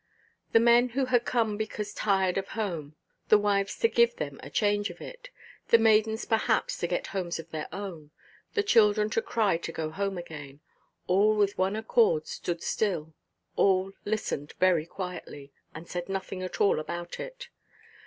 The men who had come because tired of home, the wives to give them a change of it, the maidens perhaps to get homes of their own, the children to cry to go home again;—all with one accord stood still, all listened very quietly, and said nothing at all about it.